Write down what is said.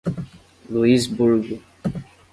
Luisburgo